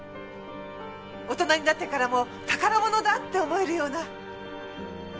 大人になってからも宝物だって思えるような。